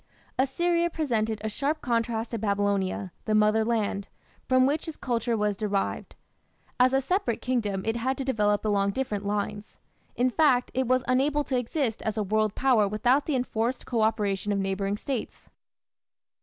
Assyria presented a sharp contrast to Babylonia, the mother land, from which its culture was derived. As a separate kingdom it had to develop along different lines. In fact, it was unable to exist as a world power without the enforced co operation of neighbouring States.